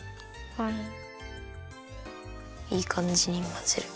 いいかんじにまぜる。